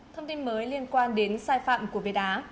thông tin mới liên quan đến sai phạm của việt á